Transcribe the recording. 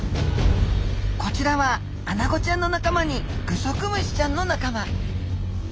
こちらはアナゴちゃんの仲間にグソクムシちゃんの仲間。